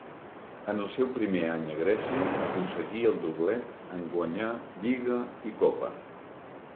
En el seu primer any a Grècia aconseguí el doblet en guanyar Lliga i Copa.